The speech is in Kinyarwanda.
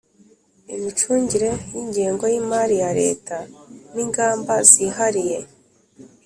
imicungire y'ingengo y'imali ya leta n'ingamba zihariye